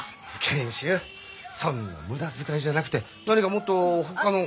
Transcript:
賢秀そんな無駄遣いじゃなくて何かもっとほかの。